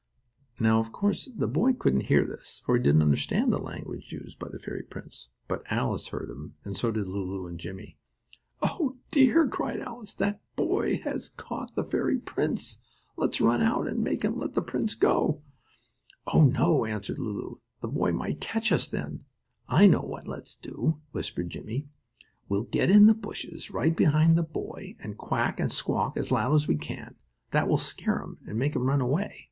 Now, of course, the boy couldn't hear this, for he didn't understand the language used by the fairy prince. But Alice heard him, and so did Lulu and Jimmie. "Oh, dear!" cried Alice. "That bad boy has caught the fairy prince! Let's run out and make him let the prince go!" "Oh, no!" answered Lulu, "the boy might catch us then." "I know what let's do," whispered Jimmie. "We'll get in the bushes right behind that boy, and quack and squawk as loud as we can: That will scare him and make him run away.